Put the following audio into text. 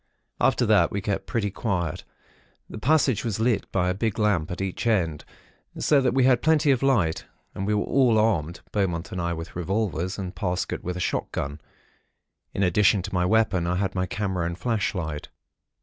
"After that, we kept pretty quiet. The passage was lit by a big lamp at each end; so that we had plenty of light; and we were all armed. Beaumont and I with revolvers, and Parsket with a shotgun. In addition to my weapon, I had my camera and flashlight.